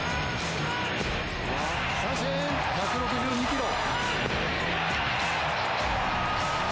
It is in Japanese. １６２キロ。